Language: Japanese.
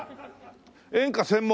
演歌専門？